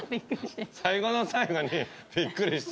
最後の最後にびっくりしちゃった。